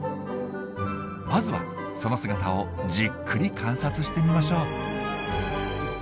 まずはその姿をじっくり観察してみましょう。